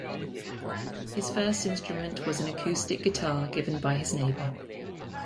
His first instrument was an acoustic guitar given by his neighbor.